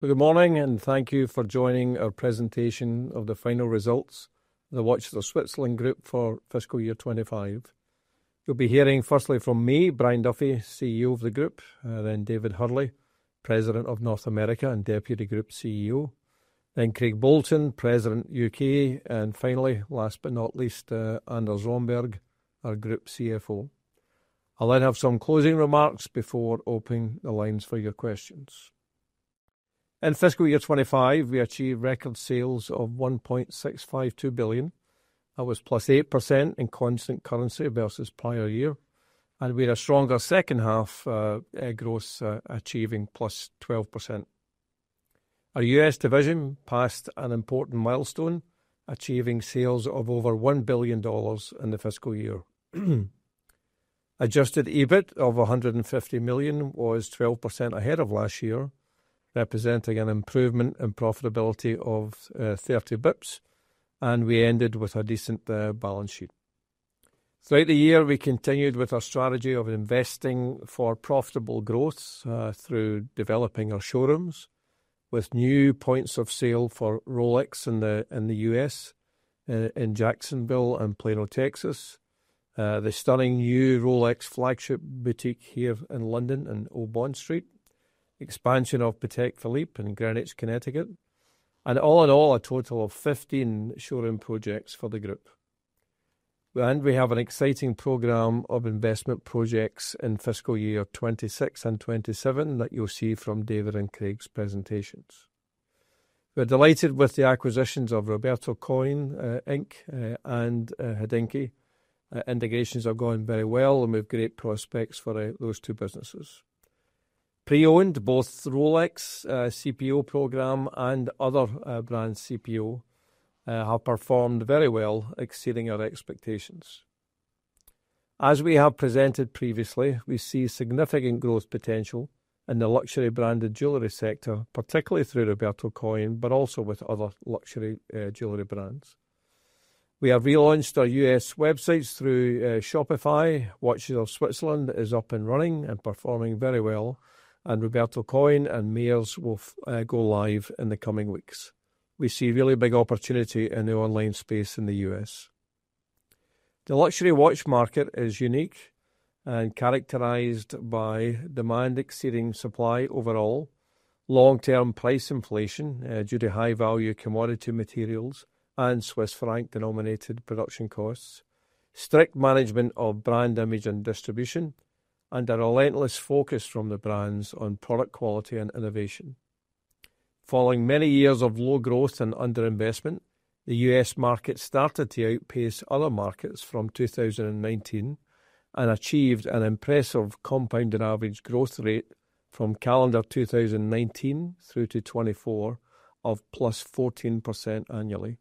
Good morning, and thank you for joining our presentation of the final results of the Watches of Switzerland Group for fiscal year 2025. You'll be hearing firstly from me, Brian Duffy, CEO of the Group, then David Hurley, President of North America and Deputy Group CEO, then Craig Bolton, President of the U.K., and finally, last but not least, Anders Romberg, our Group CFO. I'll then have some closing remarks before opening the lines for your questions. In fiscal year 2025, we achieved record sales of $1.652 billion. That was +8% in constant currency versus prior year, and we had a stronger second half gross achieving +12%. Our U.S. division passed an important milestone, achieving sales of over $1 billion in the fiscal year. Adjusted EBIT of $150 million was 12% ahead of last year, representing an improvement in profitability of 30 basis points, and we ended with a decent balance sheet. Throughout the year, we continued with our strategy of investing for profitable growth through developing our showrooms, with new points of sale for Rolex in the U.S., in Jacksonville and Plano, Texas, the stunning new Rolex flagship boutique here in London on Old Bond Street, expansion of Patek Philippe in Greenwich, Connecticut, and all in all, a total of 15 showroom projects for the Group. We have an exciting program of investment projects in fiscal year 2026 and 2027 that you'll see from David and Craig's presentations. We're delighted with the acquisitions of Roberto Coin Inc and HODINKEE. Indications are going very well, and we have great prospects for those two businesses. Pre-owned, both Rolex CPO program and other brand CPO, have performed very well, exceeding our expectations. As we have presented previously, we see significant growth potential in the luxury branded jewelry sector, particularly through Roberto Coin, but also with other luxury jewelry brands. We have relaunched our U.S. websites through Shopify. Watches of Switzerland is up and running and performing very well, and Roberto Coin and Mayors will go live in the coming weeks. We see a really big opportunity in the online space in the U.S.. The luxury watch market is unique and characterized by demand exceeding supply overall, long-term price inflation due to high-value commodity materials and Swiss franc denominated production costs, strict management of brand image and distribution, and a relentless focus from the brands on product quality and innovation. Following many years of low growth and underinvestment, the U.S. market started to outpace other markets from 2019 and achieved an impressive compounded average growth rate from calendar 2019 through to 2024 of + 14% annually.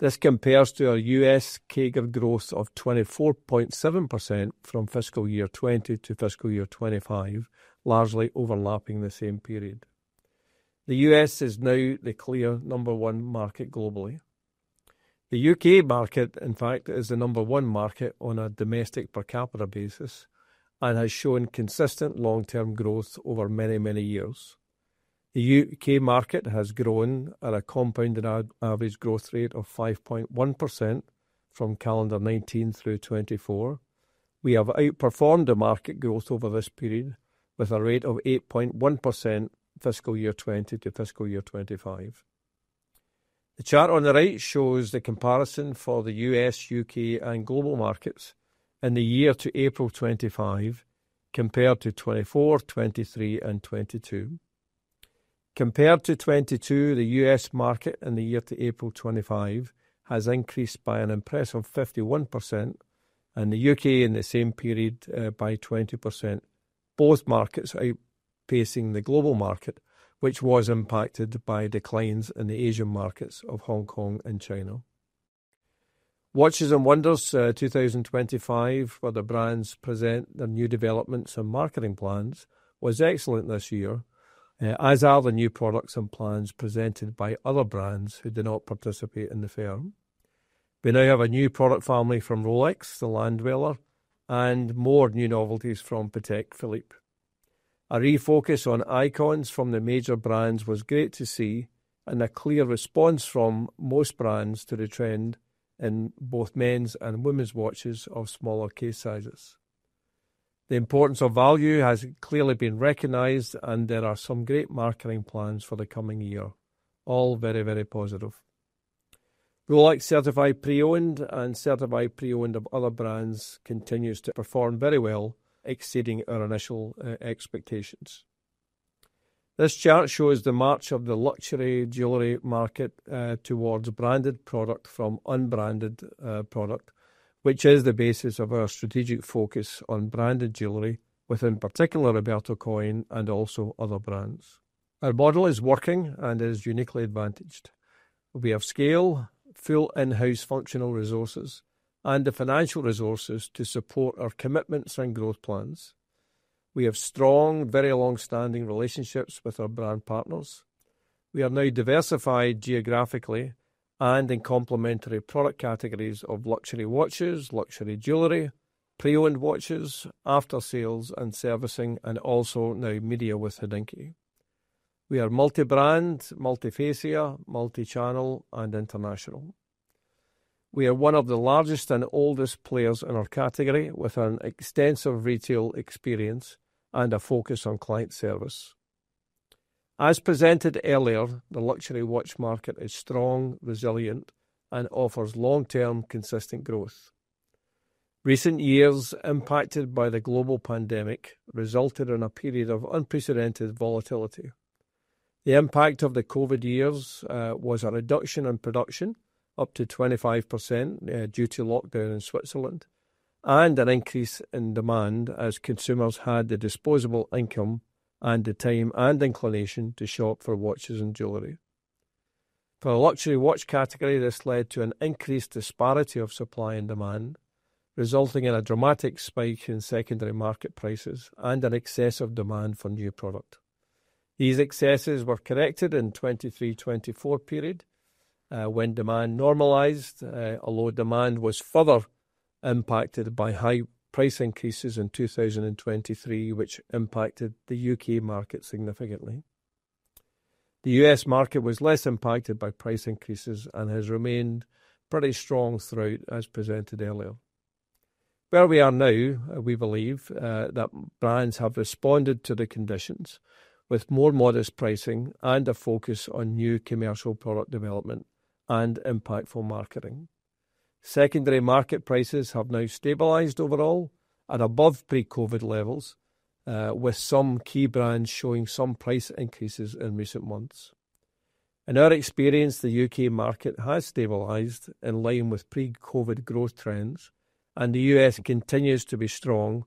This compares to our U.S. CAGR growth of 24.7% from fiscal year 2020 to fiscal year 2025, largely overlapping the same period. The U.S. is now the clear number one market globally. The U.K. market, in fact, is the number one market on a domestic per capita basis and has shown consistent long-term growth over many, many years. The U.K. market has grown at a compounded average growth rate of 5.1% from calendar 2019 through 2024. We have outperformed the market growth over this period with a rate of 8.1% fiscal year 2020 to fiscal year 2025. The chart on the right shows the comparison for the U.S., U.K., and global markets in the year to April 2025 compared to 2024, 2023, and 2022. Compared to 2022, the U.S. market in the year to April 2025 has increased by an impressive 51%, and the U.K. in the same period by 20%, both markets outpacing the global market, which was impacted by declines in the Asian markets of Hong Kong and China. Watches and Wonders 2025 for the brands present their new developments and marketing plans was excellent this year, as are the new products and plans presented by other brands who did not participate in the fair. We now have a new product family from Rolex, the Left-Dweller, and more new novelties from Patek Philippe. A refocus on icons from the major brands was great to see, and a clear response from most brands to the trend in both men's and women's watches of smaller case sizes. The importance of value has clearly been recognized, and there are some great marketing plans for the coming year, all very, very positive. Rolex Certified Pre-Owned and certified pre-owned of other brands continues to perform very well, exceeding our initial expectations. This chart shows the march of the luxury jewelry market towards branded product from unbranded product, which is the basis of our strategic focus on branded jewelry, with in particular Roberto Coin and also other brands. Our model is working and is uniquely advantaged. We have scale, full in-house functional resources, and the financial resources to support our commitments and growth plans. We have strong, very long-standing relationships with our brand partners. We are now diversified geographically and in complementary product categories of luxury watches, luxury jewelry, pre-owned watches, after-sales and servicing, and also now media with HODINKEE. We are multi-brand, multi-facia, multi-channel, and international. We are one of the largest and oldest players in our category with an extensive retail experience and a focus on client service. As presented earlier, the luxury watch market is strong, resilient, and offers long-term consistent growth. Recent years impacted by the global pandemic resulted in a period of unprecedented volatility. The impact of the COVID years was a reduction in production up to 25% due to lockdown in Switzerland and an increase in demand as consumers had the disposable income and the time and inclination to shop for watches and jewelry. For a luxury watch category, this led to an increased disparity of supply and demand, resulting in a dramatic spike in secondary market prices and an excess of demand for new product. These excesses were corrected in the 2023-2024 period when demand normalized, although demand was further impacted by high price increases in 2023, which impacted the U.K. market significantly. The U.S. market was less impacted by price increases and has remained pretty strong throughout, as presented earlier. Where we are now, we believe that brands have responded to the conditions with more modest pricing and a focus on new commercial product development and impactful marketing. Secondary market prices have now stabilized overall at above pre-COVID levels, with some key brands showing some price increases in recent months. In our experience, the U.K. market has stabilized in line with pre-COVID growth trends, and the U.S. continues to be strong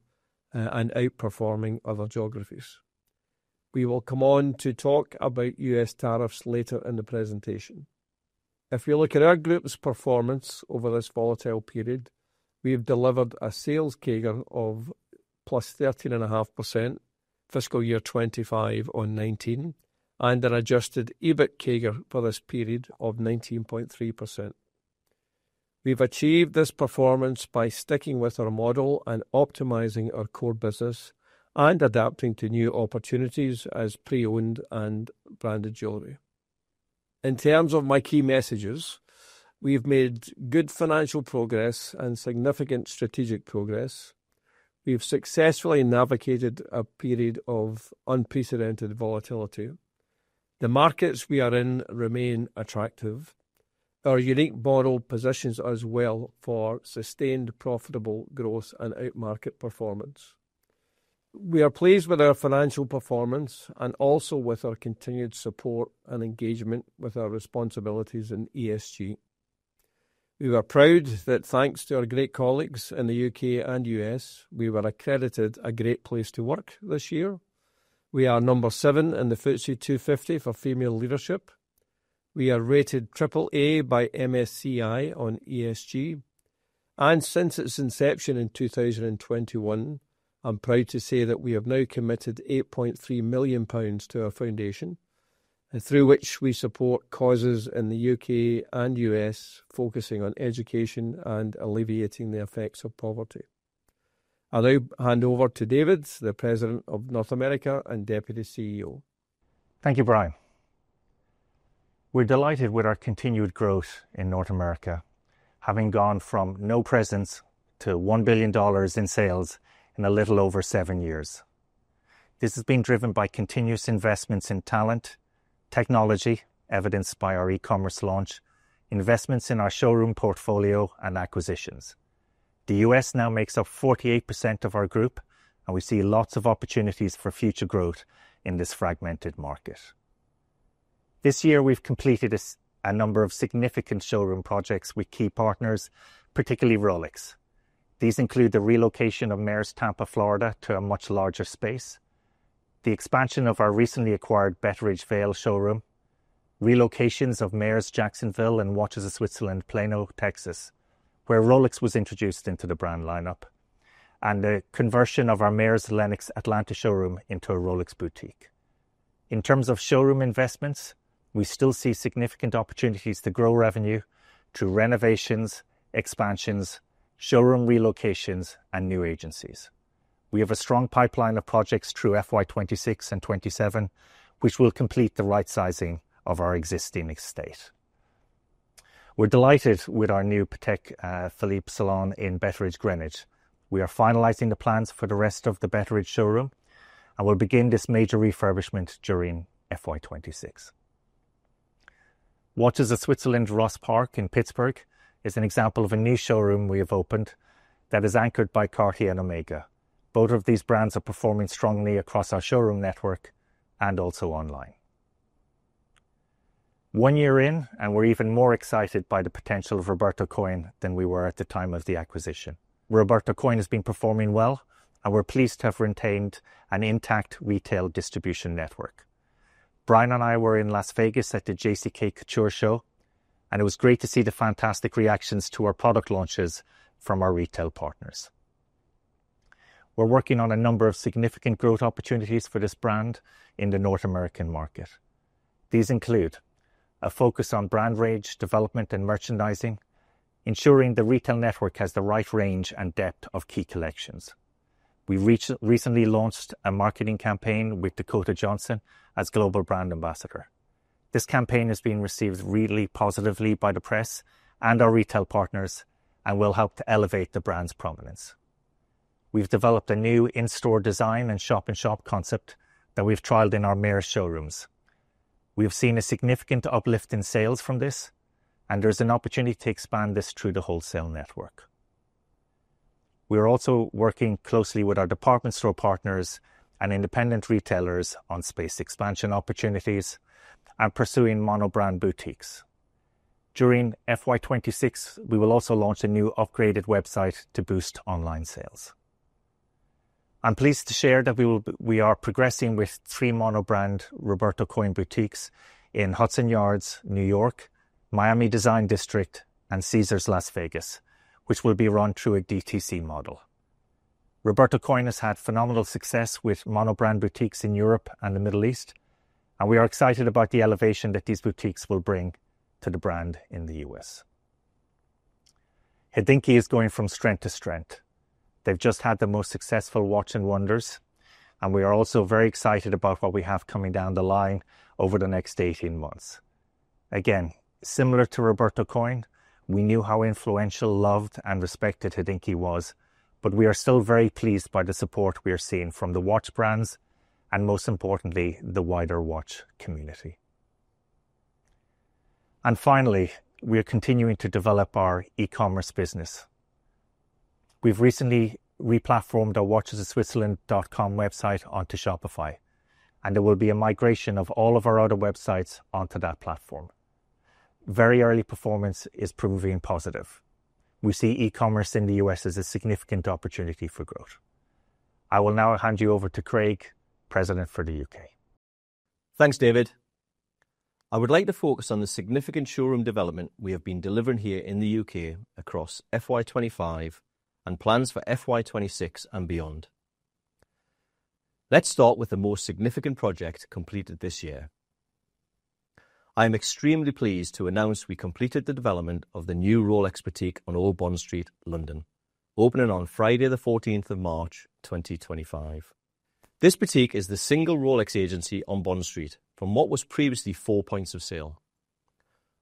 and outperforming other geographies. We will come on to talk about U.S. tariffs later in the presentation. If we look at our group's performance over this volatile period, we have delivered a sales CAGR of +13.5% fiscal year 2025 on 2019 and an Adjusted EBIT CAGR for this period of 19.3%. We've achieved this performance by sticking with our model and optimizing our core business and adapting to new opportunities as pre-owned and branded jewelry. In terms of my key messages, we've made good financial progress and significant strategic progress. We've successfully navigated a period of unprecedented volatility. The markets we are in remain attractive. Our unique model positions us well for sustained profitable growth and out-market performance. We are pleased with our financial performance and also with our continued support and engagement with our responsibilities in ESG. We were proud that thanks to our great colleagues in the U.K. and U.S., we were accredited a great place to work this year. We are number seven in the FTSE 250 for female leadership. We are rated AAA by MSCI on ESG. Since its inception in 2021, I'm proud to say that we have now committed 8.3 million pounds to our foundation, through which we support causes in the U.K. and U.S., focusing on education and alleviating the effects of poverty. I'll now hand over to David, the President of North America and Deputy CEO. Thank you, Brian. We're delighted with our continued growth in North America, having gone from no presence to $1 billion in sales in a little over seven years. This has been driven by continuous investments in talent, technology, evidenced by our e-commerce launch, investments in our showroom portfolio, and acquisitions. The U.S. now makes up 48% of our Group, and we see lots of opportunities for future growth in this fragmented market. This year, we've completed a number of significant showroom projects with key partners, particularly Rolex. These include the relocation of Mayors, Tampa, Florida, to a much larger space, the expansion of our recently acquired Betteridge Vail showroom, relocations of Mayors, Jacksonville, and Watches of Switzerland, Plano, Texas, where Rolex was introduced into the brand lineup, and the conversion of our Mayors, Lenox, Atlanta showroom into a Rolex boutique. In terms of showroom investments, we still see significant opportunities to grow revenue through renovations, expansions, showroom relocations, and new agencies. We have a strong pipeline of projects through FY2026 and FY2027, which will complete the right-sizing of our existing estate. We're delighted with our new Patek Philippe salon in Betteridge, Greenwich. We are finalizing the plans for the rest of the Betteridge showroom, and we'll begin this major refurbishment during FY2026. Watches of Switzerland Ross Park in Pittsburgh is an example of a new showroom we have opened that is anchored by Cartier and Omega. Both of these brands are performing strongly across our showroom network and also online. One year in, and we're even more excited by the potential of Roberto Coin than we were at the time of the acquisition. Roberto Coin has been performing well, and we're pleased to have retained an intact retail distribution network. Brian and I were in Las Vegas at the JCK Couture Show, and it was great to see the fantastic reactions to our product launches from our retail partners. We're working on a number of significant growth opportunities for this brand in the North American market. These include a focus on brand range, development, and merchandising, ensuring the retail network has the right range and depth of key collections. We recently launched a marketing campaign with Dakota Johnson as Global Brand Ambassador. This campaign has been received really positively by the press and our retail partners and will help to elevate the brand's prominence. We've developed a new in-store design and shop-in-shop concept that we've trialed in our Mayors showrooms. We've seen a significant uplift in sales from this, and there's an opportunity to expand this through the wholesale network. We are also working closely with our department store partners and independent retailers on space expansion opportunities and pursuing monobrand boutiques. During FY2026, we will also launch a new upgraded website to boost online sales. I'm pleased to share that we are progressing with three monobrand Roberto Coin boutiques in Hudson Yards, New York, Miami Design District, and Caesars, Las Vegas, which will be run through a DTC model. Roberto Coin has had phenomenal success with monobrand boutiques in Europe and the Middle East, and we are excited about the elevation that these boutiques will bring to the brand in the U.S.. HODINKEE is going from strength to strength. They've just had the most successful Watches and Wonders, and we are also very excited about what we have coming down the line over the next 18 months. Again, similar to Roberto Coin, we knew how influential, loved, and respected HODINKEE was, but we are still very pleased by the support we are seeing from the watch brands and, most importantly, the wider watch community. Finally, we are continuing to develop our e-commerce business. We've recently re-platformed our watchesofswitzerland.com website onto Shopify, and there will be a migration of all of our other websites onto that platform. Very early performance is proving positive. We see e-commerce in the U.S. as a significant opportunity for growth. I will now hand you over to Craig, President for the U.K. Thanks, David. I would like to focus on the significant showroom development we have been delivering here in the U.K. across FY25 and plans for FY26 and beyond. Let's start with the most significant project completed this year. I am extremely pleased to announce we completed the development of the new Rolex boutique on Old Bond Street, London, opening on Friday, the 14th of March 2025. This boutique is the single Rolex agency on Bond Street from what was previously four points of sale,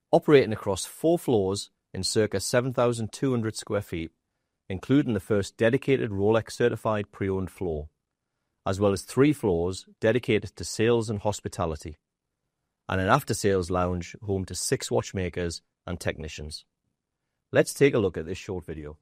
operating across four floors in circa 7,200 sq ft, including the first dedicated Rolex Certified Pre-Owned floor, as well as three floors dedicated to sales and hospitality, and an after-sales lounge home to six watchmakers and technicians. Let's take a look at this short video.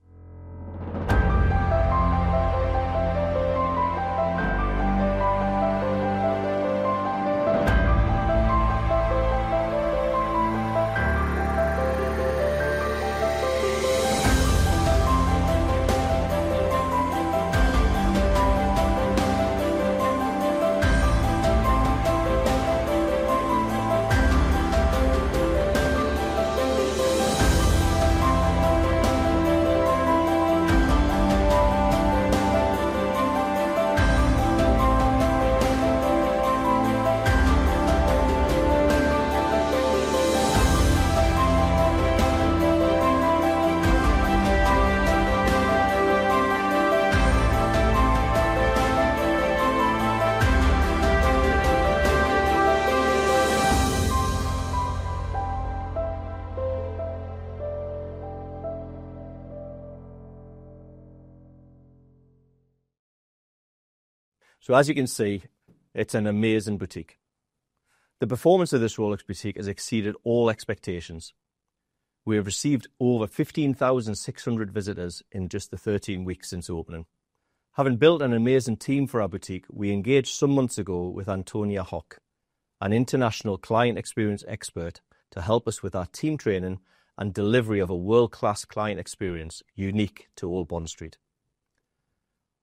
As you can see, it's an amazing boutique. The performance of this Rolex boutique has exceeded all expectations. We have received over 15,600 visitors in just the 13 weeks since opening. Having built an amazing team for our boutique, we engaged some months ago with Antonia Hock, an international client experience expert, to help us with our team training and delivery of a world-class client experience unique to Old Bond Street.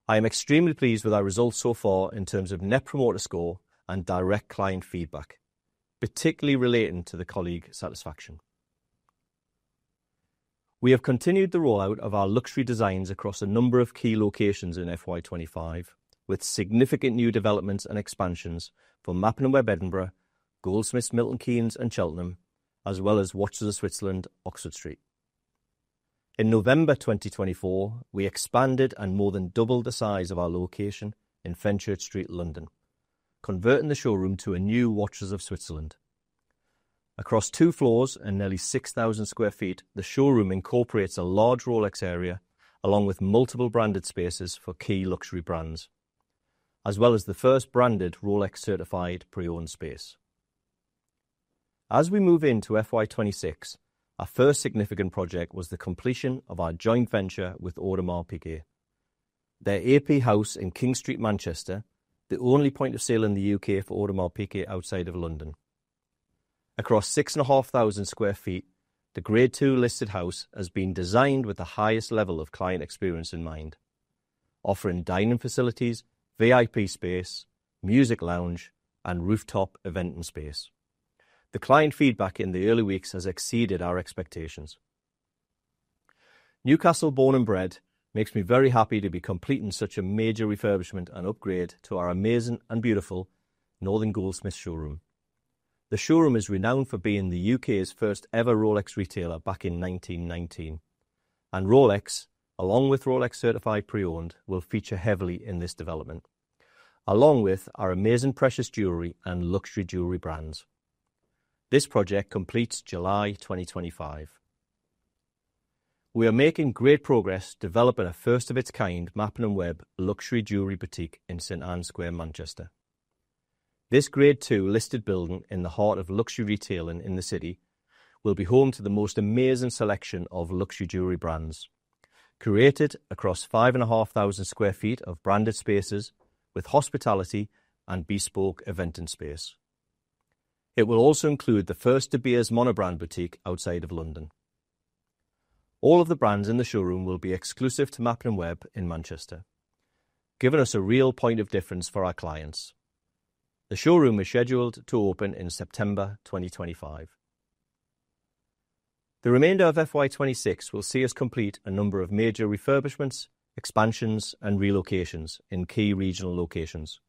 I am extremely pleased with our results so far in terms of Net Promoter Score and direct client feedback, particularly relating to the colleague satisfaction. We have continued the rollout of our luxury designs across a number of key locations in FY25, with significant new developments and expansions for Mappin & Webb, Edinburgh, Goldsmiths, Milton Keynes, and Cheltenham, as well as Watches of Switzerland, Oxford Street. In November 2024, we expanded and more than doubled the size of our location in Fenchurch Street, London, converting the showroom to a new Watches of Switzerland. Across two floors and nearly 6,000 sq ft, the showroom incorporates a large Rolex area along with multiple branded spaces for key luxury brands, as well as the first branded Rolex Certified Pre-Owned space. As we move into FY26, our first significant project was the completion of our joint venture with Audemars Piguet, their AP House in King Street, Manchester, the only point of sale in the U.K. for Audemars Piguet outside of London. Across 6,500 sq ft, the Grade II listed house has been designed with the highest level of client experience in mind, offering dining facilities, VIP space, music lounge, and rooftop event and space. The client feedback in the early weeks has exceeded our expectations. Newcastle born and bred makes me very happy to be completing such a major refurbishment and upgrade to our amazing and beautiful Northern Goldsmiths showroom. The showroom is renowned for being the U.K.'s first-ever Rolex retailer back in 1919, and Rolex, along with Rolex Certified Pre-Owned, will feature heavily in this development, along with our amazing precious jewelry and luxury jewelry brands. This project completes July 2025. We are making great progress developing a first-of-its-kind Mappin & Webb luxury jewelry boutique in St Anne's Square, Manchester. This Grade II listed building in the heart of luxury retailing in the city will be home to the most amazing selection of luxury jewelry brands, created across 5,500 sq ft of branded spaces with hospitality and bespoke event and space. It will also include the first De Beers mono-brand boutique outside of London. All of the brands in the showroom will be exclusive to Mappin & Webb in Manchester, giving us a real point of difference for our clients. The showroom is scheduled to open in September 2025. The remainder of FY26 will see us complete a number of major refurbishments, expansions, and relocations in key regional locations,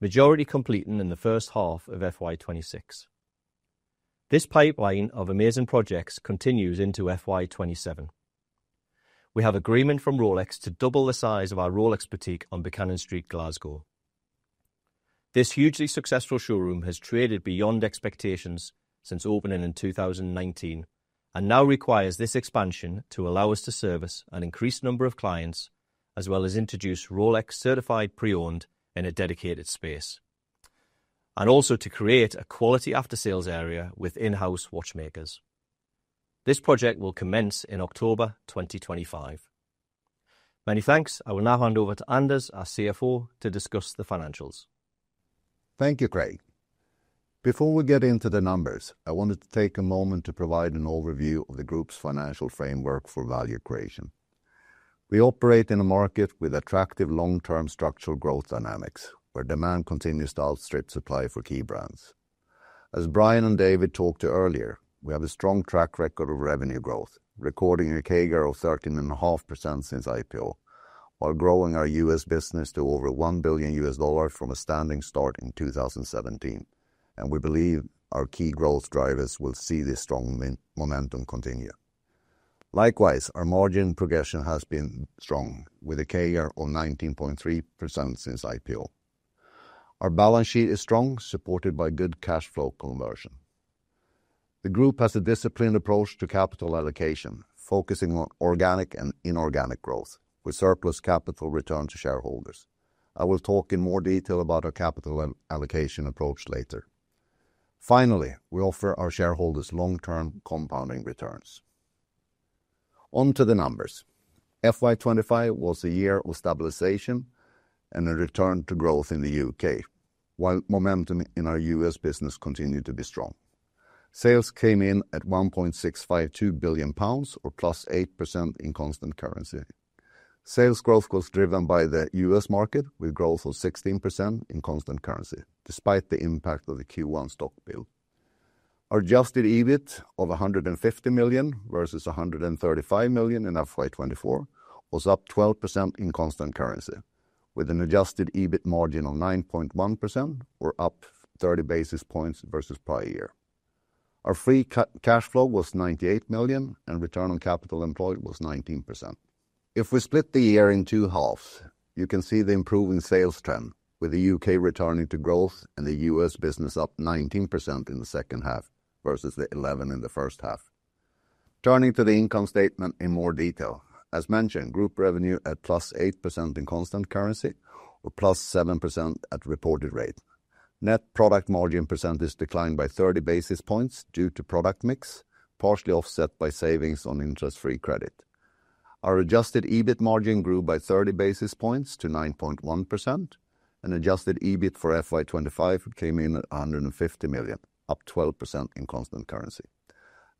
majority completing in the first half of FY26. This pipeline of amazing projects continues into FY27. We have agreement from Rolex to double the size of our Rolex boutique on Buchanan Street, Glasgow. This hugely successful showroom has traded beyond expectations since opening in 2019 and now requires this expansion to allow us to service an increased number of clients, as well as introduce Rolex Certified Pre-Owned in a dedicated space, and also to create a quality after-sales area with in-house watchmakers. This project will commence in October 2025. Many thanks. I will now hand over to Anders, our CFO, to discuss the financials. Thank you, Craig. Before we get into the numbers, I wanted to take a moment to provide an overview of the Group's financial framework for value creation. We operate in a market with attractive long-term structural growth dynamics, where demand continues to outstrip supply for key brands. As Brian and David talked to earlier, we have a strong track record of revenue growth, recording a CAGR of 13.5% since IPO, while growing our U.S. business to over $1 billion from a standing start in 2017, and we believe our key growth drivers will see this strong momentum continue. Likewise, our margin progression has been strong, with a CAGR of 19.3% since IPO. Our balance sheet is strong, supported by good Cash Flow Conversion. The Group has a disciplined approach to capital allocation, focusing on organic and inorganic growth, with surplus capital returned to shareholders. I will talk in more detail about our capital allocation approach later. Finally, we offer our shareholders long-term compounding returns. Onto the numbers. FY25 was a year of stabilization and a return to growth in the U.K., while momentum in our U.S. business continued to be strong. Sales came in at 1.652 billion pounds, or +8% in constant currency. Sales growth was driven by the U.S. market, with growth of 16% in constant currency, despite the impact of the Q1 stock build. Our adjusted EBIT of 150 million versus 135 million in FY24 was up 12% in constant currency, with an adjusted EBIT margin of 9.1%, or up 30 basis points versus prior year. Our Free Cash Flow was 98 million, and return on capital employed was 19%. If we split the year in two halves, you can see the improving sales trend, with the U.K. returning to growth and the U.S. business up 19% in the second half versus the 11% in the first half. Turning to the income statement in more detail, as mentioned, Group revenue at plus 8% in constant currency, or plus 7% at reported rate. Net product margin percentage declined by 30 basis points due to product mix, partially offset by savings on interest-free credit. Our adjusted EBIT margin grew by 30 basis points to 9.1%, and adjusted EBIT for FY2025 came in at 150 million, up 12% in constant currency.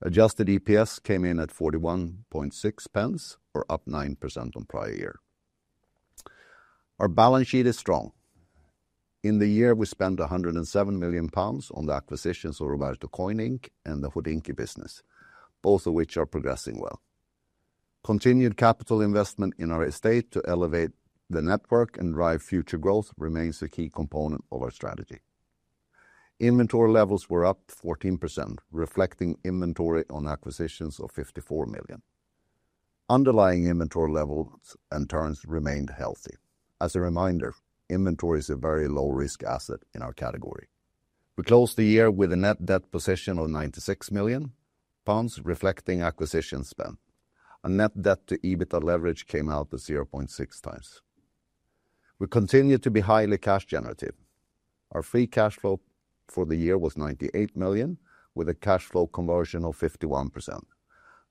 Adjusted EPS came in at 41.6, or up 9% on prior year. Our balance sheet is strong. In the year, we spent 107 million pounds on the acquisitions of Roberto Coin and the HODINKEE business, both of which are progressing well. Continued capital investment in our estate to elevate the network and drive future growth remains a key component of our strategy. Inventory levels were up 14%, reflecting inventory on acquisitions of 54 million. Underlying inventory levels and terms remained healthy. As a reminder, inventory is a very low-risk asset in our category. We closed the year with a net debt position of 96 million pounds, reflecting acquisition spend. Our Net Debt to EBITDA leverage came out at 0.6 times. We continue to be highly cash-generative. Our Free Cash Flow for the year was 98 million, with a Cash Flow Conversion of 51%.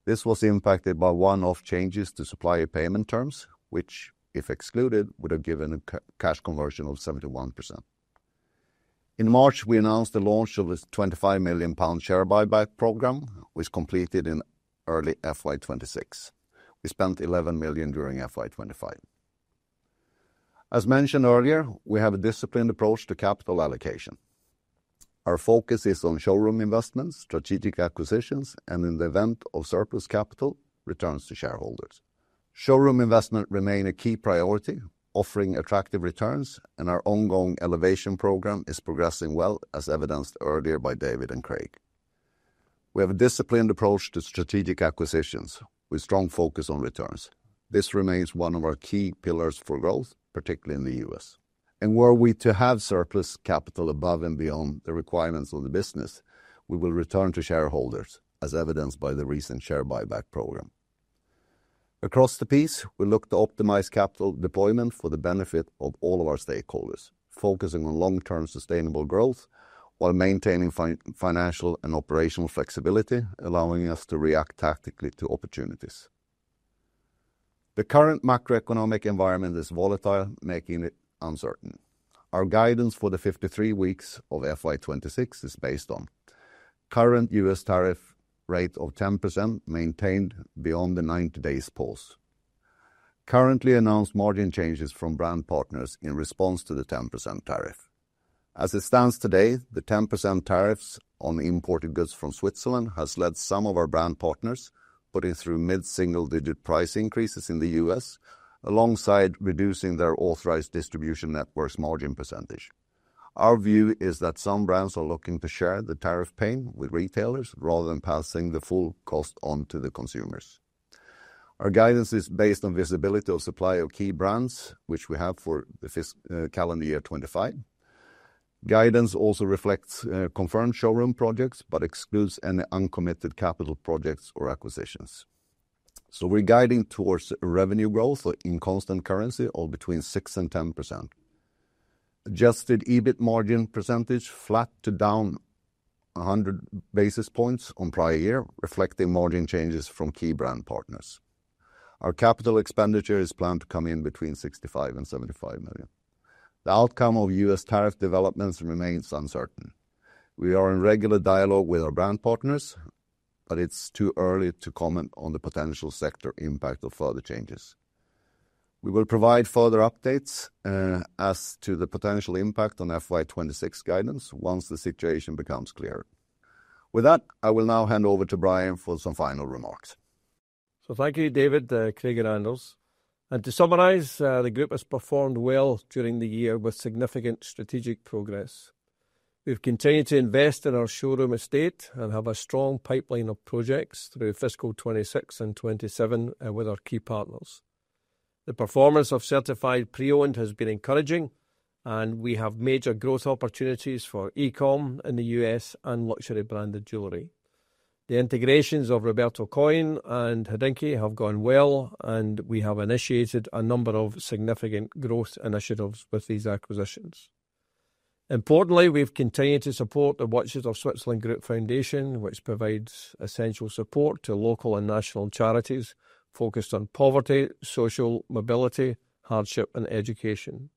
This was impacted by one-off changes to supplier payment terms, which, if excluded, would have given a cash conversion of 71%. In March, we announced the launch of a 25 million pound Share Buyback program, which completed in early FY 2026. We spent 11 million during FY 2025. As mentioned earlier, we have a disciplined approach to capital allocation. Our focus is on showroom investments, strategic acquisitions, and in the event of surplus capital, returns to shareholders. Showroom investment remains a key priority, offering attractive returns, and our ongoing elevation program is progressing well, as evidenced earlier by David and Craig. We have a disciplined approach to strategic acquisitions, with strong focus on returns. This remains one of our key pillars for growth, particularly in the U.S.. Were we to have surplus capital above and beyond the requirements of the business, we will return to shareholders, as evidenced by the recent Share Buyback program. Across the piece, we look to optimize capital deployment for the benefit of all of our stakeholders, focusing on long-term sustainable growth while maintaining financial and operational flexibility, allowing us to react tactically to opportunities. The current macroeconomic environment is volatile, making it uncertain. Our guidance for the 53 weeks of FY2026 is based on: current U.S. tariff rate of 10% maintained beyond the 90-day pause; currently announced margin changes from brand partners in response to the 10% tariff. As it stands today, the 10% tariffs on imported goods from Switzerland have led some of our brand partners to put through mid-single-digit price increases in the U.S., alongside reducing their authorized distribution network's margin percentage. Our view is that some brands are looking to share the tariff pain with retailers rather than passing the full cost on to the consumers. Our guidance is based on visibility of supply of key brands, which we have for the calendar year 2025. Guidance also reflects confirmed showroom projects but excludes any uncommitted capital projects or acquisitions. We're guiding towards revenue growth in constant currency, or between 6%-10%. Adjusted EBIT margin percentage flat to down 100 basis points on prior year, reflecting margin changes from key brand partners. Our capital expenditure is planned to come in between 65 million and 75 million. The outcome of U.S. tariff developments remains uncertain. We are in regular dialogue with our brand partners, but it's too early to comment on the potential sector impact of further changes. We will provide further updates as to the potential impact on FY26 guidance once the situation becomes clearer. With that, I will now hand over to Brian for some final remarks. Thank you, David, Craig and Anders. To summarize, the Group has performed well during the year with significant strategic progress. We've continued to invest in our showroom estate and have a strong pipeline of projects through fiscal 2026 and 2027 with our key partners. The performance of certified pre-owned has been encouraging, and we have major growth opportunities for e-commerce in the U.S. and luxury branded jewelry. The integrations of Roberto Coin and HODINKEE have gone well, and we have initiated a number of significant growth initiatives with these acquisitions. Importantly, we've continued to support the Watches of Switzerland Group Foundation, which provides essential support to local and national charities focused on poverty, social mobility, hardship, and education.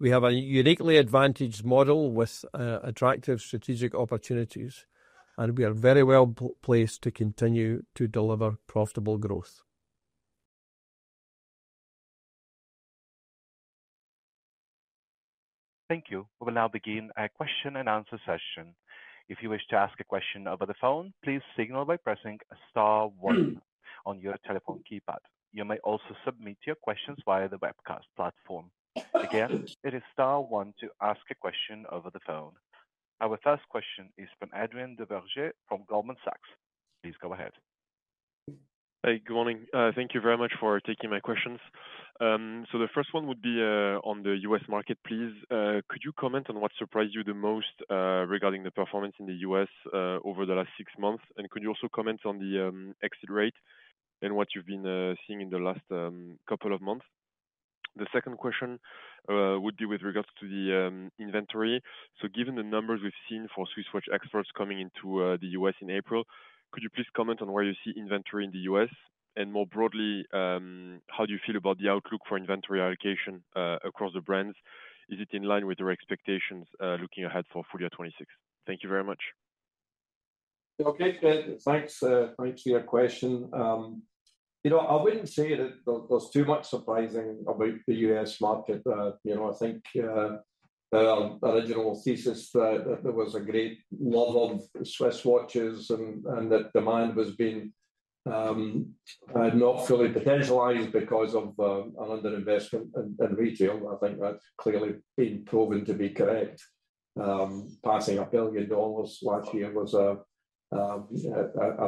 We have a uniquely advantaged model with attractive strategic opportunities, and we are very well placed to continue to deliver profitable growth. Thank you. We will now begin a question and answer session. If you wish to ask a question over the phone, please signal by pressing star one on your telephone keypad. You may also submit your questions via the webcast platform. Again, it is star one to ask a question over the phone. Our first question is from Adrian Duverger from Goldman Sachs. Please go ahead. Hi, good morning. Thank you very much for taking my questions. The first one would be on the U.S. market, please. Could you comment on what surprised you the most regarding the performance in the U.S. over the last six months? Could you also comment on the exit rate and what you've been seeing in the last couple of months? The second question would be with regards to the inventory. Given the numbers we've seen for Swiss watch exports coming into the U.S. in April, could you please comment on where you see inventory in the U.S.? More broadly, how do you feel about the outlook for inventory allocation across the brands? Is it in line with your expectations looking ahead for FY2026? Thank you very much. Okay, Craig, thanks for your question. You know, I would not say that there is too much surprising about the U.S. market. You know, I think our original thesis that there was a great love of Swiss watches and that demand has been not fully potentialized because of limited investment and retail. I think that is clearly been proven to be correct. Passing $1 billion last year was, I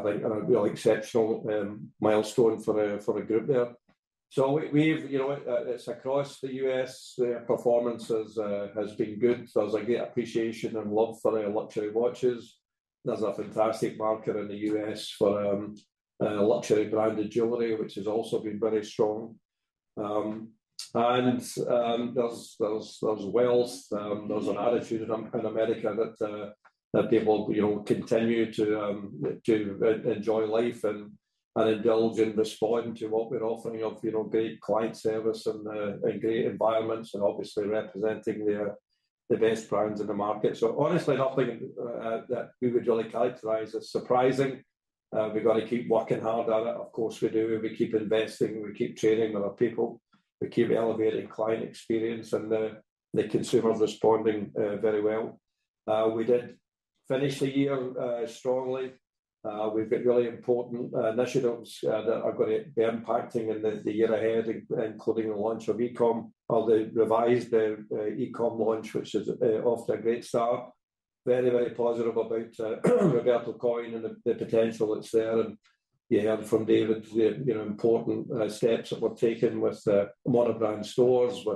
think, a real exceptional milestone for the Group there. We have, you know, it is across the U.S., their performance has been good. There is a great appreciation and love for their luxury watches. There is a fantastic market in the U.S. for luxury branded jewelry, which has also been very strong. There is wealth, there is an attitude in America that they will continue to enjoy life and indulge in responding to what we are offering of great client service and great environments, and obviously representing the best brands in the market. Honestly, nothing that we would really characterize as surprising. We have got to keep working hard at it. Of course, we do. We keep investing, we keep training other people, we keep elevating client experience, and the consumer is responding very well. We did finish the year strongly. We have got really important initiatives that are going to be impacting in the year ahead, including the launch of e-com, or the revised e-com launch, which is off to a great start. Very, very positive about Roberto Coin and the potential that is there. You heard from David the important steps that were taken with mono-brand stores,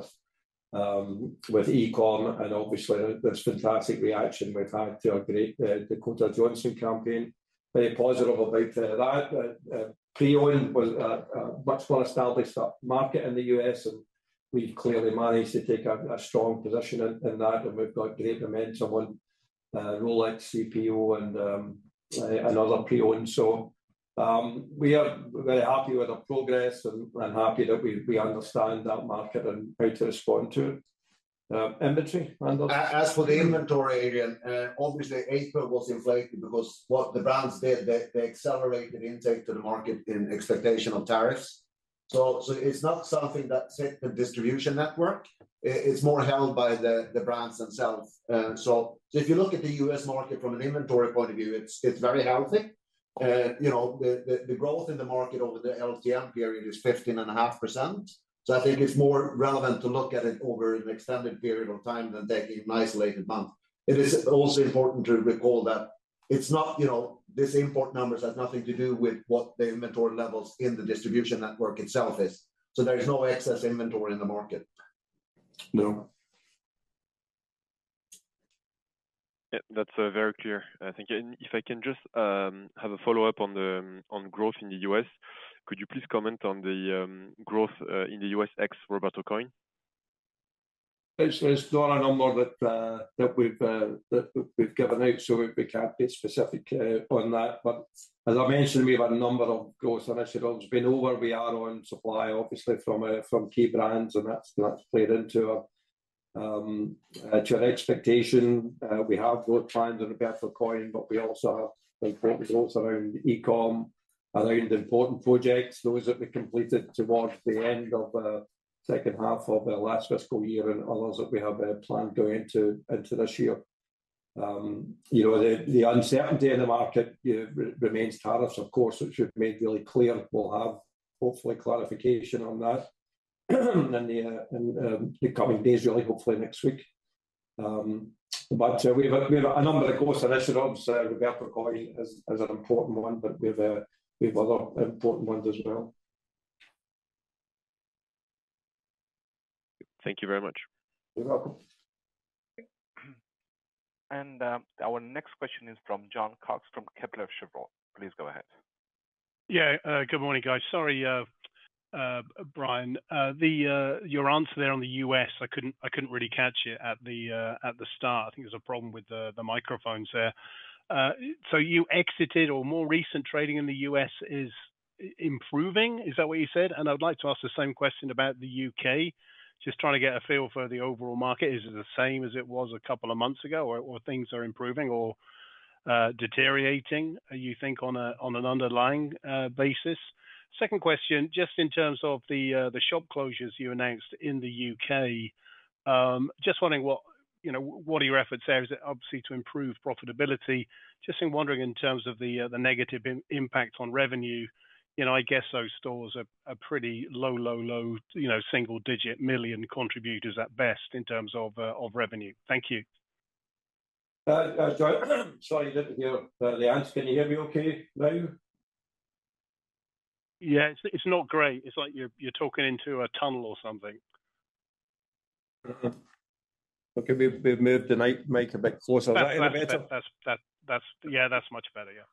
with e-com, and obviously this fantastic reaction we have had to our great Dakota Johnson campaign. Very positive about that. Pre-owned was a much more established market in the U.S., and we have clearly managed to take a strong position in that, and we have got great momentum on Rolex CPO, and other pre-owned. We are very happy with our progress and happy that we understand that market and how to respond to it. Inventory, Anders. As for the inventory, Adrian, obviously April was inflated because what the brands did, they accelerated the intake to the market in expectation of tariffs. It is not something that has hit the distribution network. It is more held by the brands themselves. If you look at the U.S. market from an inventory point of view, it is very healthy. You know, the growth in the market over the LTM period is 15.5%. I think it's more relevant to look at it over an extended period of time than taking an isolated month. It is also important to recall that it's not, you know, this import number has nothing to do with what the inventory levels in the distribution network itself is. There is no excess inventory in the market. No. That's very clear, I think. If I can just have a follow-up on growth in the U.S., could you please comment on the growth in the U.S. ex-Roberto Coin? There's not a number that we've given out, so we can't be specific on that. As I mentioned, we have a number of growth initiatives. Being over, we are on supply, obviously, from key brands, and that's played into our expectation. We have both finding Roberto Coin, but we also have important growth around e-com, around important projects, those that we completed towards the end of the second half of the last fiscal year and others that we have planned going into this year. You know, the uncertainty in the market remains tariffs, of course, which we've made really clear. We'll have hopefully clarification on that in the coming days, really, hopefully next week. We have a number of growth initiatives. Roberto Coin is an important one, but we have other important ones as well. Thank you very much. You're welcome. Our next question is from John Cox from Kepler Cheuvreux. Please go ahead. Yeah, good morning, guys. Sorry, Brian. Your answer there on the U.S., I couldn't really catch it at the start. I think there's a problem with the microphones there. You exited, or more recent trading in the U.S. is improving, is that what you said? I'd like to ask the same question about the U.K., just trying to get a feel for the overall market. Is it the same as it was a couple of months ago, or things are improving or deteriorating, you think, on an underlying basis? Second question, just in terms of the shop closures you announced in the U.K., just wondering what are your efforts there? Is it obviously to improve profitability? Just wondering in terms of the negative impact on revenue. You know, I guess those stores are pretty low, low, low, single-digit million contributors at best in terms of revenue. Thank you. Sorry, David, the answer. Can you hear me okay now? Yeah, it's not great. It's like you're talking into a tunnel or something. Okay, we've moved the mic a bit closer. Yeah, that's much better, yeah.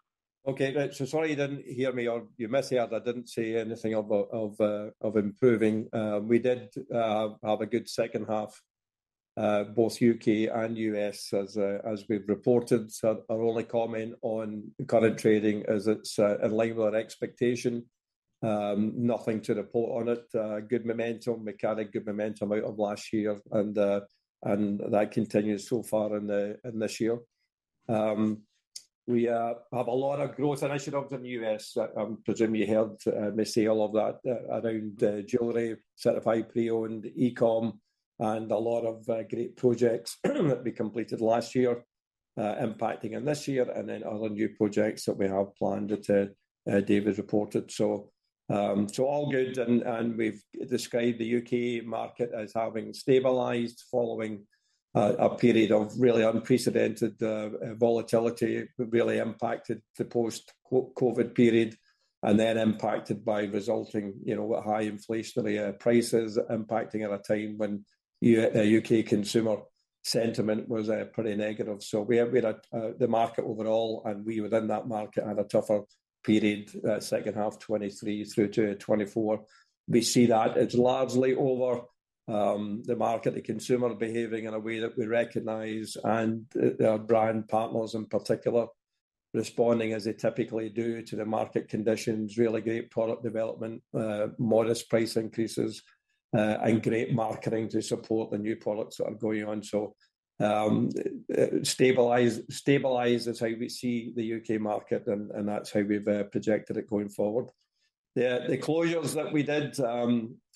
Okay, sorry you didn't hear me. You missed out. I didn't see anything of improving. We did have a good second half, both U.K. and U.S., as we've reported. Our only comment on current trading is it's in line with our expectation. Nothing to report on it. Good momentum, mechanic, good momentum out of last year, and that continues so far in this year. We have a lot of growth initiatives in the U.S. I presume you heard me say all of that around jewelry, certified pre-owned, e-com, and a lot of great projects that we completed last year, impacting in this year, and then other new projects that we have planned, David reported. All good, and we've described the U.K. market as having stabilized following a period of really unprecedented volatility, really impacted the post-COVID period, and then impacted by resulting high inflationary prices impacting at a time when U.K. consumer sentiment was pretty negative. The market overall, and we within that market, had a tougher period, second half 2023 through to 2024. We see that it's largely over the market, the consumer behaving in a way that we recognize and our brand partners in particular responding as they typically do to the market conditions, really great product development, modest price increases, and great marketing to support the new products that are going on. Stabilized is how we see the U.K. market, and that's how we've projected it going forward. The closures that we did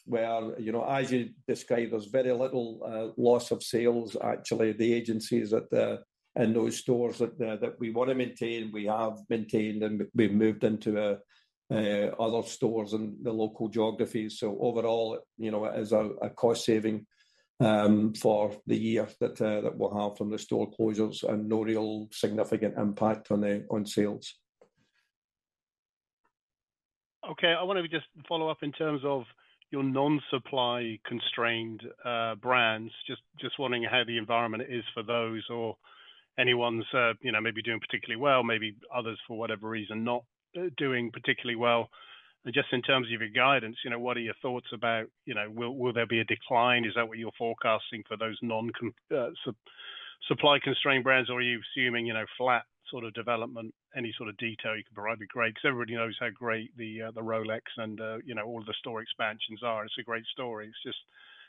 were, as you described, there's very little loss of sales, actually. The agencies in those stores that we want to maintain, we have maintained, and we've moved into other stores in the local geographies. Overall, it is a cost saving for the year that we'll have from the store closures and no real significant impact on sales. Okay, I want to just follow up in terms of your non-supply constrained brands. Just wondering how the environment is for those or anyone's maybe doing particularly well, maybe others for whatever reason not doing particularly well. Just in terms of your guidance, what are your thoughts about, will there be a decline? Is that what you're forecasting for those non-supply constrained brands, or are you assuming flat sort of development? Any sort of detail you can provide would be great because everybody knows how great the Rolex and all of the store expansions are. It's a great story. It's just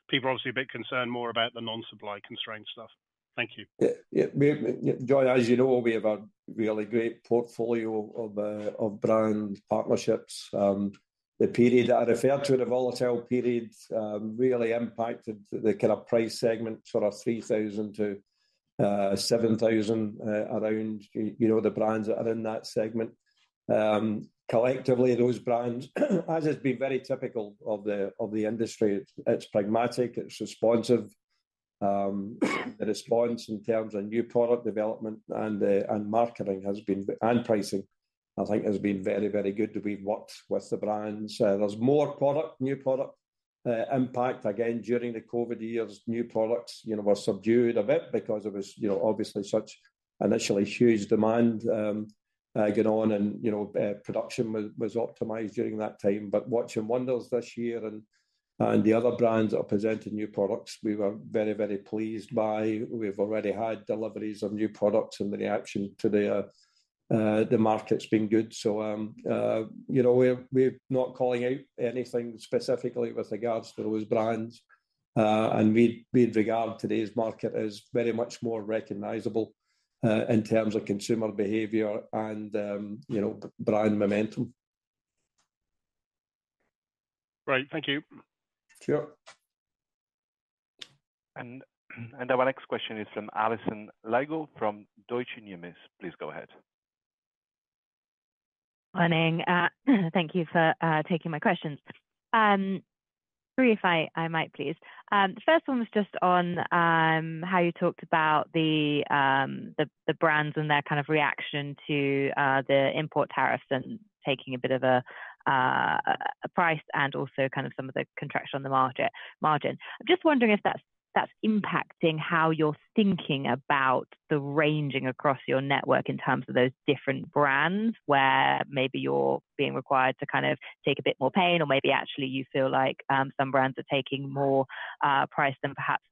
people are obviously a bit concerned more about the non-supply constrained stuff. Thank you. Yeah, as you know, we have a really great portfolio of brand partnerships. The period that I referred to, the volatile period, really impacted the kind of price segment for our $3,000-$7,000 around the brands that are in that segment. Collectively, those brands, as has been very typical of the industry, it's pragmatic, it's responsive. The response in terms of new product development and marketing has been, and pricing, I think has been very, very good. We've worked with the brands. There's more product, new product impact. Again, during the COVID years, new products were subdued a bit because it was obviously such initially huge demand going on, and production was optimized during that time. Watches and Wonders this year and the other brands that are presenting new products, we were very, very pleased by. We've already had deliveries of new products and the reaction to the market's been good. We're not calling out anything specifically with regards to those brands. We'd regard today's market as very much more recognizable in terms of consumer behavior and brand momentum. Great, thank you. Sure. Our next question is from Alison Lygo from Deutsche Numis. Please go ahead. Morning. Thank you for taking my questions. Three, if I might please. The first one was just on how you talked about the brands and their kind of reaction to the import tariffs and taking a bit of a price and also kind of some of the contraction on the margin. I'm just wondering if that's impacting how you're thinking about the ranging across your network in terms of those different brands where maybe you're being required to kind of take a bit more pain or maybe actually you feel like some brands are taking more price than perhaps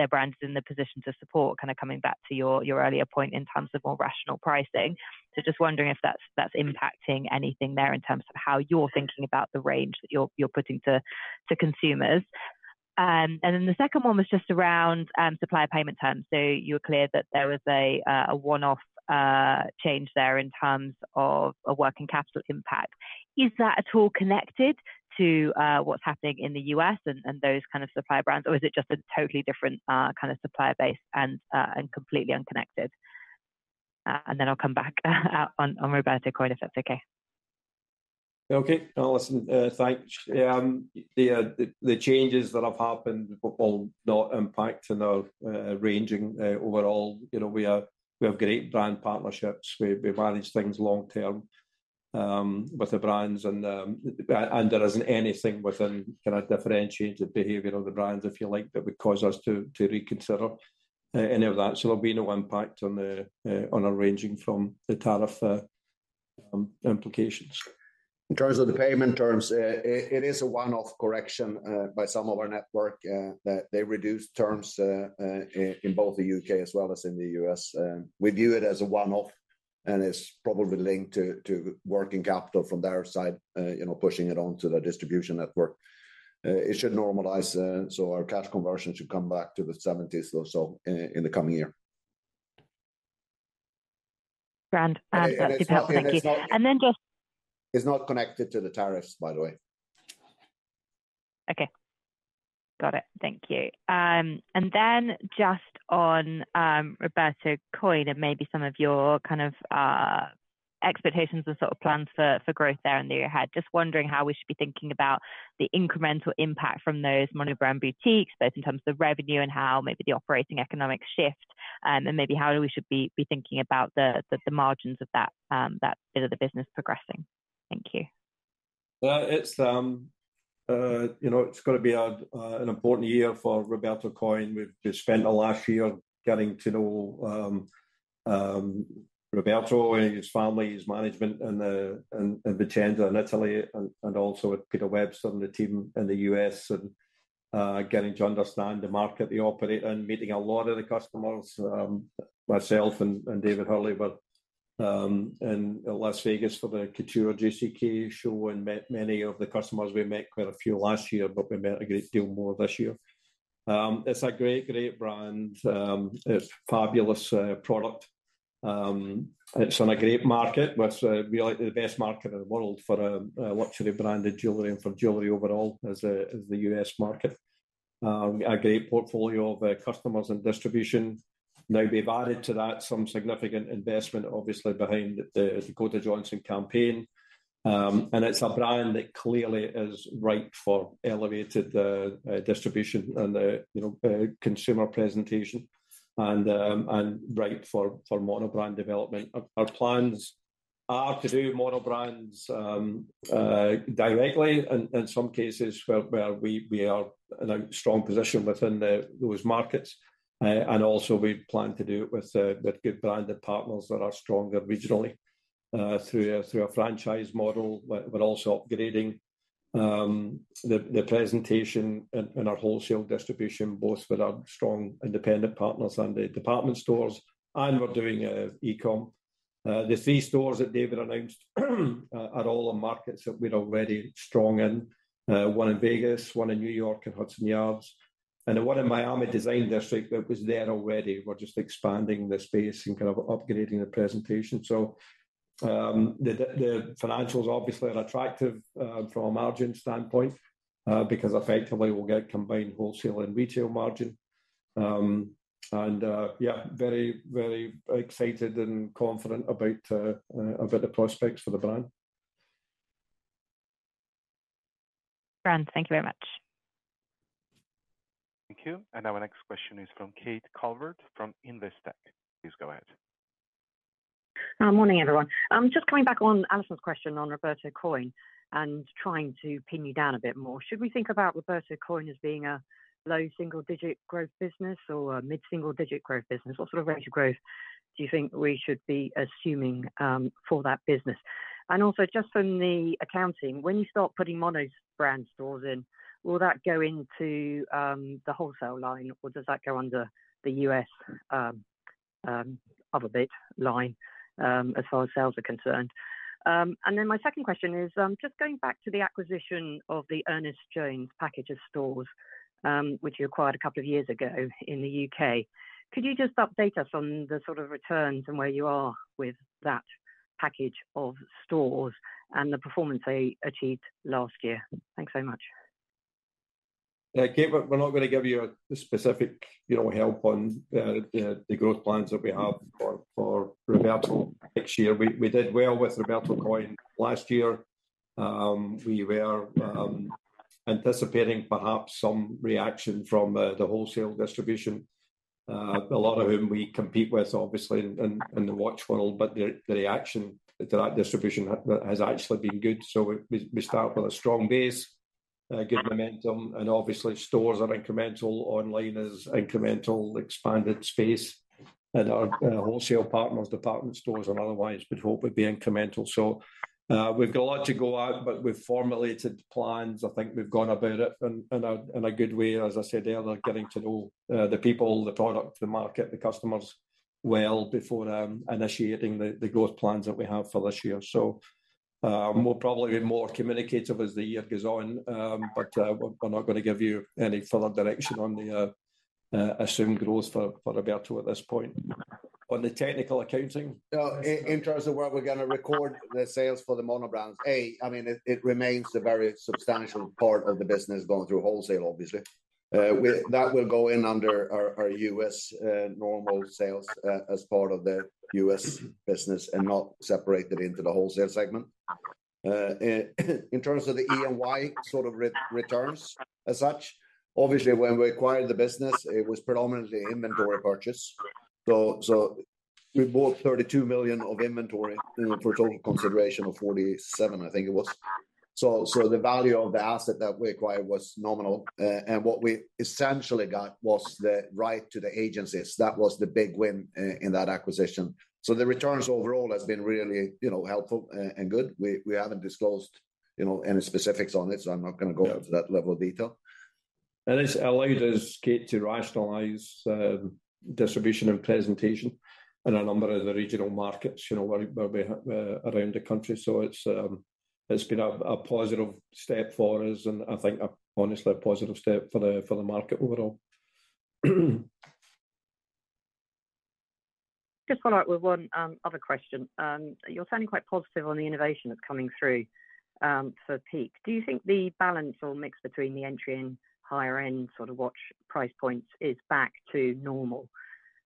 their brands in the position to support, kind of coming back to your earlier point in terms of more rational pricing. Just wondering if that's impacting anything there in terms of how you're thinking about the range that you're putting to consumers. The second one was just around supply payment terms. You were clear that there was a one-off change there in terms of a working capital impact. Is that at all connected to what's happening in the U.S. and those kind of supply brands, or is it just a totally different kind of supply base and completely unconnected? I'll come back on Roberto Coin if that's okay. Okay, Alison, thanks. The changes that have happened will not impact in our ranging overall. We have great brand partnerships. We manage things long term with the brands, and there is not anything within kind of differentiated behavior of the brands, if you like, that would cause us to reconsider any of that. There will be no impact on our ranging from the tariff implications. In terms of the payment terms, it is a one-off correction by some of our network. They reduced terms in both the U.K. as well as in the U.S. We view it as a one-off, and it is probably linked to working capital from their side, pushing it onto the distribution network. It should normalize, so our cash conversion should come back to the 70% or so in the coming year. Brian, that's super helpful. Thank you. Just. It's not connected to the tariffs, by the way. Okay, got it. Thank you. Then just on Roberto Coin and maybe some of your kind of expectations and sort of plans for growth there in the year, just wondering how we should be thinking about the incremental impact from those monobrand boutiques, both in terms of the revenue and how maybe the operating economic shift, and maybe how we should be thinking about the margins of that bit of the business progressing. Thank you. It has got to be an important year for Roberto Coin. We have just spent the last year getting to know Roberto and his family, his management in the Chandler in Italy, and also with Peter Webster and the team in the U.S., and getting to understand the market they operate in, meeting a lot of the customers. Myself and David Hurley were in Las Vegas for the JCK Couture show and met many of the customers. We met quite a few last year, but we met a great deal more this year. It is a great, great brand. It is a fabulous product. It is on a great market. It is really the best market in the world for a luxury brand in jewelry and for jewelry overall as the U.S. market. A great portfolio of customers and distribution. Now, we have added to that some significant investment, obviously, behind the Dakota Johnson campaign. It is a brand that clearly is ripe for elevated distribution and consumer presentation and ripe for monobrand development. Our plans are to do monobrands directly in some cases where we are in a strong position within those markets. We also plan to do it with good branded partners that are stronger regionally through a franchise model. We are also upgrading the presentation in our wholesale distribution, both with our strong independent partners and the department stores, and we are doing e-com. The three stores that David announced are all in markets that we are already strong in, one in Las Vegas, one in New York and Hudson Yards, and one in Miami Design District that was there already. We are just expanding the space and kind of upgrading the presentation. The financials obviously are attractive from a margin standpoint because effectively we will get combined wholesale and retail margin. Yeah, very, very excited and confident about the prospects for the brand. Brian, thank you very much. Thank you. Our next question is from Kate Calvert from Investec. Please go ahead. Morning, everyone. I'm just coming back on Alison's question on Roberto Coin and trying to pin you down a bit more. Should we think about Roberto Coin as being a low single-digit growth business or a mid-single-digit growth business? What sort of range of growth do you think we should be assuming for that business? Also, just from the accounting, when you start putting mono-brand stores in, will that go into the wholesale line, or does that go under the U.S. of a bit line as far as sales are concerned? My second question is just going back to the acquisition of the Ernest Jones package of stores, which you acquired a couple of years ago in the U.K. Could you just update us on the sort of returns and where you are with that package of stores and the performance they achieved last year? Thanks very much. Okay, we're not going to give you a specific help on the growth plans that we have for Roberto next year. We did well with Roberto Coin last year. We were anticipating perhaps some reaction from the wholesale distribution, a lot of whom we compete with, obviously, in the watch world, but the reaction to that distribution has actually been good. We start with a strong base, good momentum, and obviously, stores are incremental, online is incremental, expanded space, and our wholesale partners, department stores and otherwise, would hope would be incremental. We've got a lot to go out, but we've formulated plans. I think we've gone about it in a good way. As I said earlier, getting to know the people, the product, the market, the customers well before initiating the growth plans that we have for this year. We'll probably be more communicative as the year goes on, but we're not going to give you any further direction on the assumed growth for Roberto at this point. On the technical accounting In terms of where we're going to record the sales for the monobrands, I mean, it remains a very substantial part of the business going through wholesale, obviously. That will go in under our U.S. normal sales as part of the U.S. business and not separated into the wholesale segment. In terms of the E&Y sort of returns as such, obviously, when we acquired the business, it was predominantly inventory purchase. We bought $32 million of inventory for a total consideration of $47 million, I think it was. The value of the asset that we acquired was nominal. What we essentially got was the right to the agencies. That was the big win in that acquisition. The returns overall have been really helpful and good. We haven't disclosed any specifics on it, so I'm not going to go into that level of detail. It has allowed us to rationalize distribution and presentation in a number of the regional markets around the country. It has been a positive step for us and, I think, honestly, a positive step for the market overall. Just follow up with one other question. You're sounding quite positive on the innovation that's coming through for Patek. Do you think the balance or mix between the entry and higher-end sort of watch price points is back to normal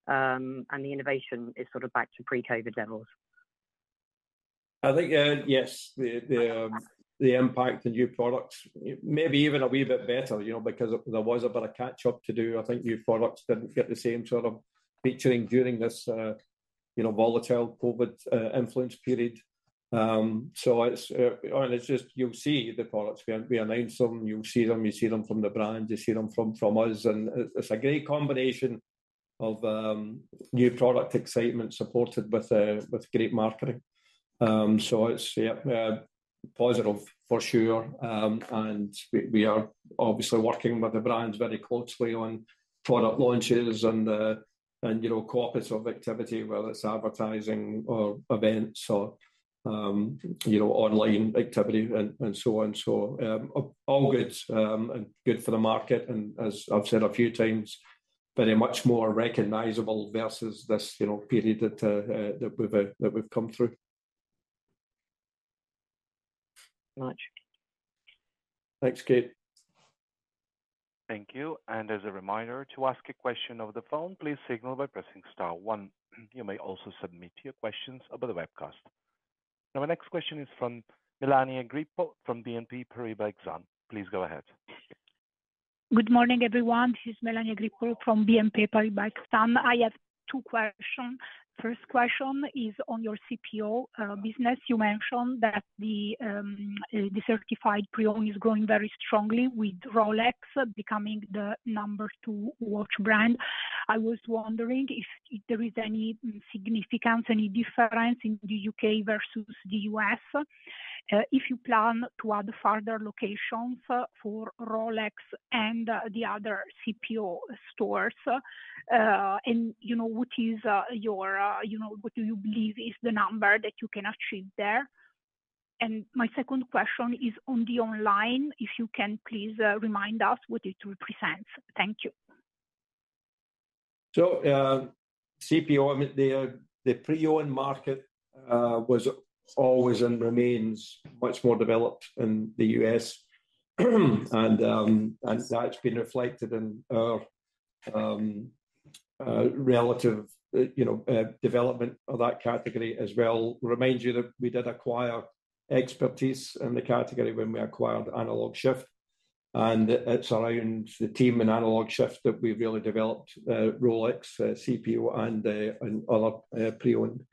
and the innovation is sort of back to pre-COVID levels? I think, yes, the impact and new products may be even a wee bit better because there was a bit of catch-up to do. I think new products did not get the same sort of featuring during this volatile COVID influence period. It is just, you will see the products. We announced them. You will see them. You see them from the brand. You see them from us. It is a great combination of new product excitement supported with great marketing. It is positive for sure. We are obviously working with the brands very closely on product launches and copies of activity, whether it is advertising or events or online activity and so on. All good and good for the market. As I have said a few times, very much more recognizable versus this period that we have come through. Thanks, Kate. Thank you. As a reminder, to ask a question over the phone, please signal by pressing star one. You may also submit your questions over the webcast. Now, our next question is from Melania Grippo from BNP Paribas Exane. Please go ahead. Good morning, everyone. This is Melania Grippo from BNP Paribas Exane. I have two questions. First question is on your CPO business. You mentioned that the certified pre-owned is growing very strongly with Rolex becoming the number two watch brand. I was wondering if there is any significance, any difference in the U.K. versus the U.S. if you plan to add further locations for Rolex and the other CPO stores. What is your, what do you believe is the number that you can achieve there? My second question is on the online, if you can please remind us what it represents. Thank you. CPO, the pre-owned market was always and remains much more developed in the U.S.. That has been reflected in our relative development of that category as well. Remind you that we did acquire expertise in the category when we acquired Analog:Shift. It is around the team in Analog:Shift that we have really developed Rolex CPO and other pre-owned.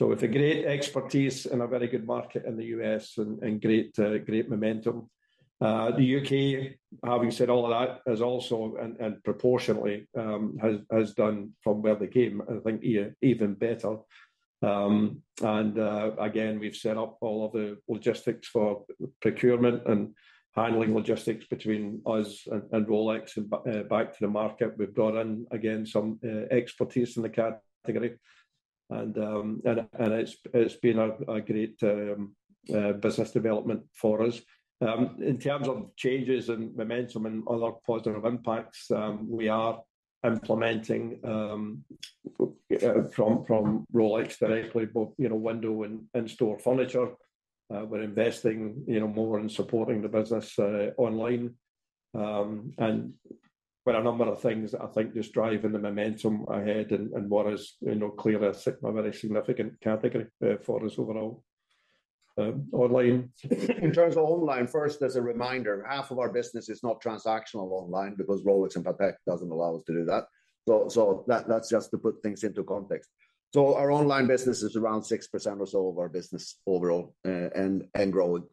It is a great expertise in a very good market in the U.S. and great momentum. The UK, having said all of that, has also and proportionately has done from where they came, I think, even better. Again, we have set up all of the logistics for procurement and handling logistics between us and Rolex and back to the market. We have brought in, again, some expertise in the category. It has been a great business development for us. In terms of changes and momentum and other positive impacts, we are implementing from Rolex directly, both window and store furniture. We're investing more in supporting the business online and with a number of things that I think just drive the momentum ahead and what is clearly a very significant category for us overall online. In terms of online, first, as a reminder, half of our business is not transactional online because Rolex and Patek doesn't allow us to do that. That's just to put things into context. Our online business is around 6% or so of our business overall and growing.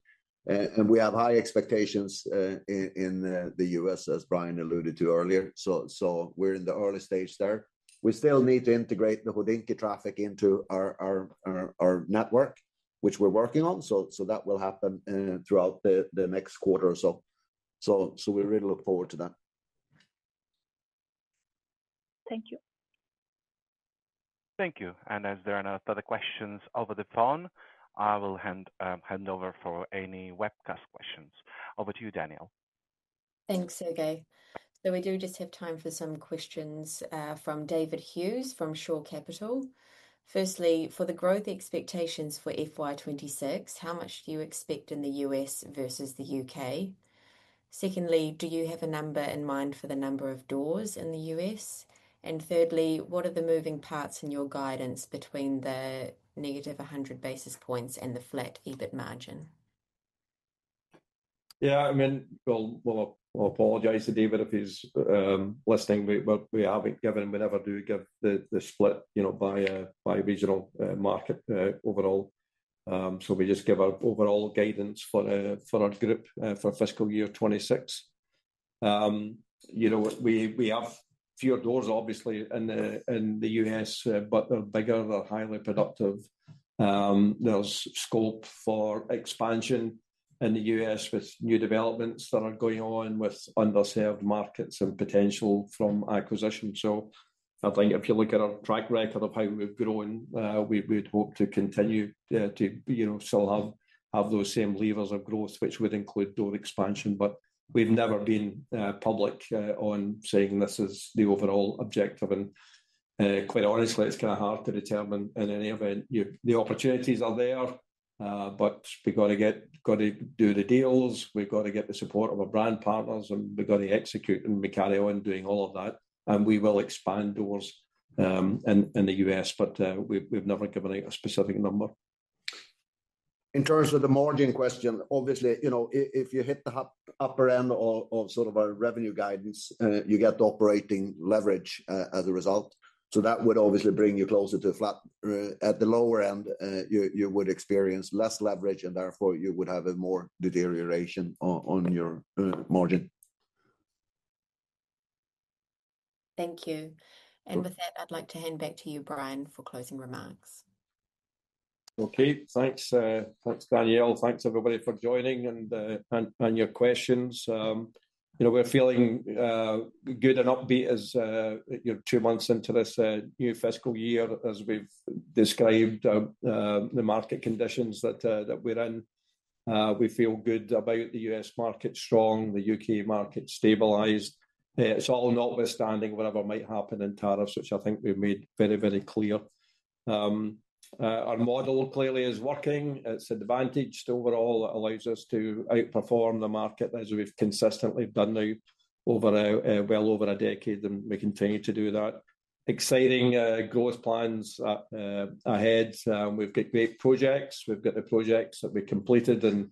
We have high expectations in the U.S., as Brian alluded to earlier. We're in the early stage there. We still need to integrate the HODINKEE traffic into our network, which we're working on. That will happen throughout the next quarter or so. We really look forward to that. Thank you. Thank you. As there are no further questions over the phone, I will hand over for any webcast questions. Over to you, Danielle. Thanks, Sergei. We do just have time for some questions from David Hughes from Shore Capital. Firstly, for the growth expectations for FY2026, how much do you expect in the U.S. versus the U.K.? Secondly, do you have a number in mind for the number of doors in the U.S.? Thirdly, what are the moving parts in your guidance between the negative 100 basis points and the flat EBIT margin? Yeah, I mean, we'll apologize to David if he's listening. We haven't given and we never do give the split by regional market overall. We just give our overall guidance for our group for fiscal year 2026. We have fewer doors, obviously, in the U.S., but they're bigger. They're highly productive. There's scope for expansion in the U.S. with new developments that are going on with underserved markets and potential from acquisition. I think if you look at our track record of how we've grown, we'd hope to continue to still have those same levers of growth, which would include door expansion. We've never been public on saying this is the overall objective. Quite honestly, it's kind of hard to determine in any event. The opportunities are there, but we've got to do the deals. We've got to get the support of our brand partners, and we've got to execute, and we carry on doing all of that. We will expand doors in the U.S., but we've never given out a specific number. In terms of the margin question, obviously, if you hit the upper end of sort of our revenue guidance, you get operating leverage as a result. That would obviously bring you closer to flat. At the lower end, you would experience less leverage, and therefore you would have a more deterioration on your margin. Thank you. With that, I'd like to hand back to you, Brian, for closing remarks. Okay, thanks. Thanks, Danielle. Thanks, everybody, for joining and your questions. We're feeling good and upbeat as two months into this new fiscal year, as we've described the market conditions that we're in. We feel good about the U.S. market strong, the U.K. market stabilized. It's all notwithstanding whatever might happen in tariffs, which I think we've made very, very clear. Our model clearly is working. It's advantaged overall. It allows us to outperform the market as we've consistently done now over well over a decade, and we continue to do that. Exciting growth plans ahead. We've got great projects. We've got the projects that we completed in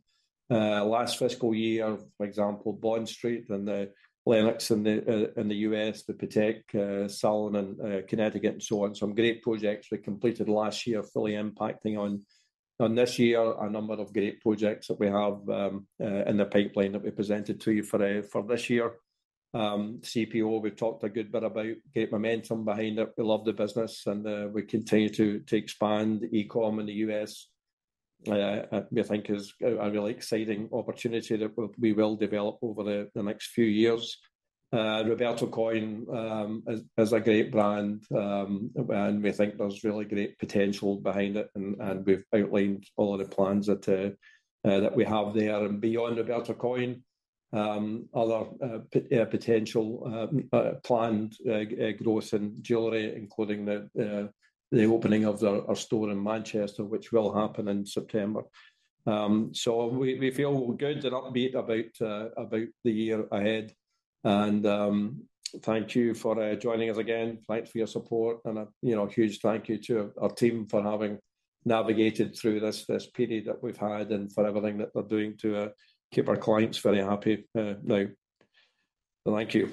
last fiscal year, for example, Bond Street and the Lenox in the U.S., the Patek, Sullivan, and Connecticut, and so on. Some great projects we completed last year fully impacting on this year, a number of great projects that we have in the pipeline that we presented to you for this year. CPO, we've talked a good bit about, great momentum behind it. We love the business, and we continue to expand e-com in the U.S.. We think it's a really exciting opportunity that we will develop over the next few years. Roberto Coin is a great brand, and we think there's really great potential behind it. We've outlined all of the plans that we have there. Beyond Roberto Coin, other potential planned growth in jewelry, including the opening of our store in Manchester, which will happen in September. We feel good and upbeat about the year ahead. Thank you for joining us again. Thanks for your support. A huge thank you to our team for having navigated through this period that we've had and for everything that they're doing to keep our clients very happy now. Thank you.